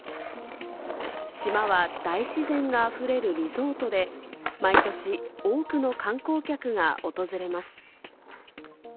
島は大自然があふれるリゾートで、毎年、多くの観光客が訪れます。